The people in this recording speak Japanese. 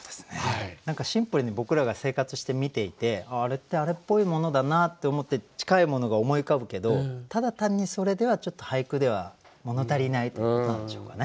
シンプルに僕らが生活して見ていてあれってあれっぽいものだなって思って近いものが思い浮かぶけどただ単にそれではちょっと俳句ではもの足りないということなんでしょうかね。